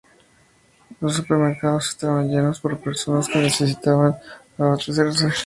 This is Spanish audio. Los supermercados estaban llenos por personas que necesitaban abastecerse.